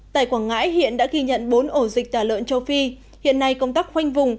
tại quảng ngãi hiện đã ghi nhận bốn ổ dịch tả lợn châu phi hiện nay công tác khoanh vùng